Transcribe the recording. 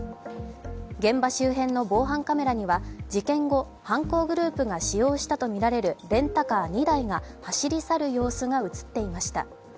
現場周辺の防犯カメラには事件後、犯行グループが使用したとみられるレンタカー２台が走り去る様子が映っていました。